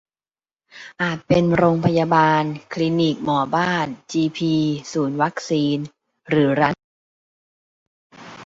อาจเป็นโรงพยาบาล คลีนิกหมอบ้าน จีพี ศูนย์วัคซีน หรือร้านขายยา